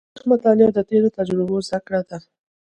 د تاریخ مطالعه د تېرو تجربو زده کړه ده.